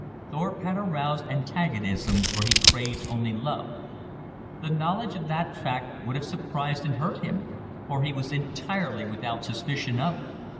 Thorpe had aroused antagonism where he craved only love. The knowledge of that fact would have surprised and hurt him, for he was entirely without suspicion of it.